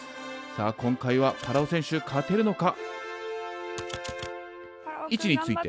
さあ今回はパラオ選手勝てるのか？